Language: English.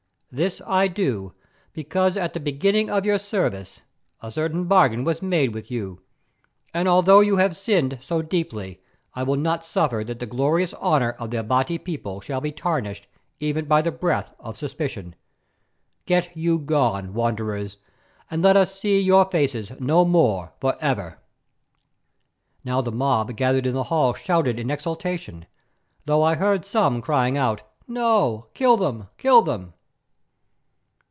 This I do because at the beginning of your service a certain bargain was made with you, and although you have sinned so deeply I will not suffer that the glorious honour of the Abati people shall be tarnished even by the breath of suspicion. Get you gone, Wanderers, and let us see your faces no more for ever!" Now the mob gathered in the hall shouted in exultation, though I heard some crying out, "No, kill them! Kill them!"